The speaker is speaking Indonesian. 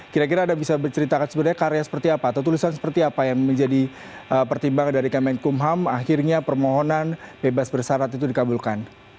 kira kira anda bisa berceritakan sebenarnya karya seperti apa atau tulisan seperti apa yang menjadi pertimbangan dari kemenkumham akhirnya permohonan bebas bersarat itu dikabulkan